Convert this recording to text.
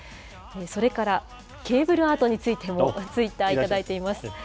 それからケーブルアートについてもツイッター頂いています。